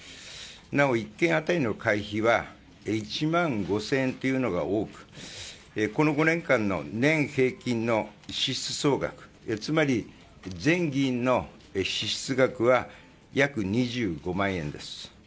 なお、１件当たりの会費は１万５０００円というのが多くこの５年間の年平均の支出総額つまり全議員の支出額は約２５万円です。